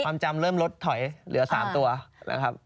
ความจำเริ่มลดถอยเหลือ๓ตัวนะครับ